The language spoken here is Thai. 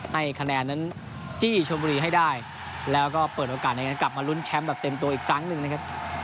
ให้คะแนนนั้นจี้ชมบุรีให้ได้แล้วก็เปิดโอกาสในการกลับมาลุ้นแชมป์แบบเต็มตัวอีกครั้งหนึ่งนะครับ